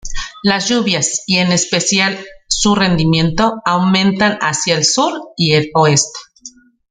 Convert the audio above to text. Las lluvias, y en especial su rendimiento, aumentan hacia el sur y el oeste.